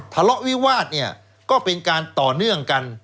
ทะเลาะวิวาสเนี่ยก็เป็นการต่อเนื่องกัน